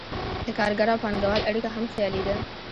د کارګر او پانګهوال اړیکه هم خیالي ده.